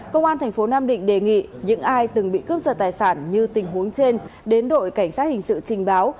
công an thành phố nam định đề nghị những ai từng bị cướp giật tài sản như tình huống trên đến đội cảnh sát hình sự trình báo